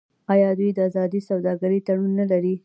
آیا دوی د ازادې سوداګرۍ تړون نلري؟